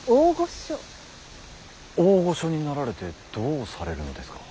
大御所になられてどうされるのですか。